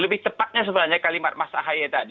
lebih cepatnya sebenarnya kalimat mas ahaye tadi